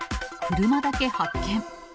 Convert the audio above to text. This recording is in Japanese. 車だけ発見。